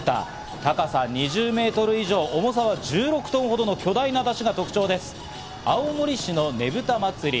高さ２０メートル以上、重さは１６トンほどの巨大な山車が特徴です。